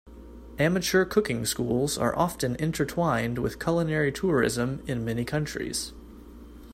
Amateur cooking schools are often intertwined with culinary tourism in many countries.